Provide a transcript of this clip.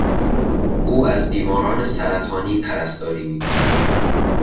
او از بیماران سرطانی پرستاری میکند.